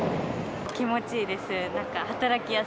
気持ちいいです。